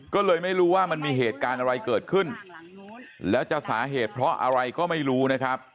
ก็เลยไม่รู้ว่ามันมีเหตุการณ์อะไรเกิดขึ้นแล้วจะสาเหตุเพราะอะไรก็ไม่รู้นะครับ